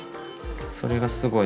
それがすごい